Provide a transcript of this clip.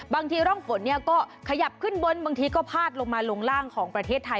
บางทีร่องฝนก็ขยับขึ้นบนบางทีก็พาดลงมาลงล่างของประเทศไทย